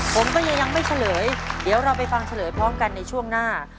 ผมก็ยังยังไม่เฉลยเดี๋ยวเราไปฟังเฉลยพร้อมกันในช่วงหน้า